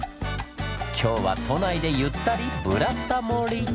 今日は都内でゆったり「ブラタモリ」！